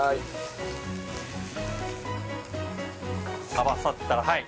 合わさったらはい！